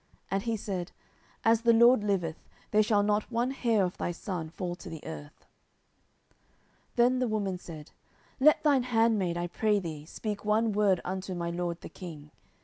And he said, As the LORD liveth, there shall not one hair of thy son fall to the earth. 10:014:012 Then the woman said, Let thine handmaid, I pray thee, speak one word unto my lord the king.